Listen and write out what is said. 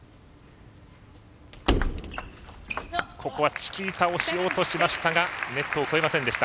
チキータをしようとしましたがネットを越えませんでした。